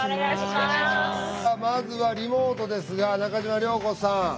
さあまずはリモートですが中嶋涼子さん。